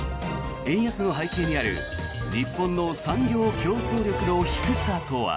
円安の背景にある日本の産業競争力の低さとは。